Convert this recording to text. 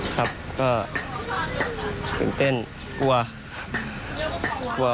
ครับก็ตื่นเต้นกลัว